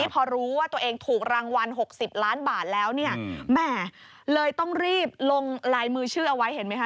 พอรู้ว่าตัวเองถูกรางวัล๖๐ล้านบาทแล้วเนี่ยแหมเลยต้องรีบลงลายมือชื่อเอาไว้เห็นไหมคะ